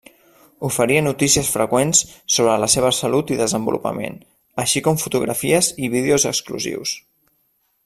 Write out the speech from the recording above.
Oferia notícies freqüents sobre la seva salut i desenvolupament, així com fotografies i vídeos exclusius.